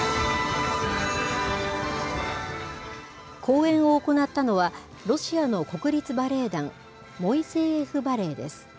公演を行ったのは、ロシアの国立バレエ団、モイセーエフバレエです。